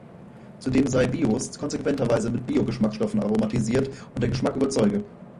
Zudem sei Bios konsequenterweise mit Bio-Geschmacksstoffen aromatisiert und der Geschmack überzeuge.